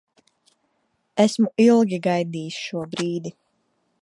Esmu ilgi gaidījis šo brīdi.